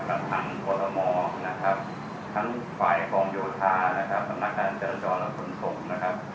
ทั้งกรทมนะครับทั้งฝ่ายกองโยธานะครับสำนักงานจราจรและขนส่งนะครับ